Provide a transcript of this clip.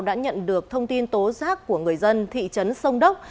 đã nhận được thông tin tố giác của người dân thị trấn sông đốc